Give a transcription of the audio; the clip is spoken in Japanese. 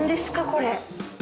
これ。